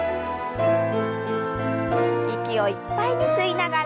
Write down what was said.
息をいっぱいに吸いながら。